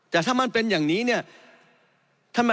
แต่ถ้ามันเป็นอย่างนี้เนี่ย